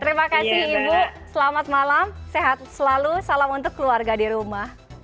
terima kasih ibu selamat malam sehat selalu salam untuk keluarga di rumah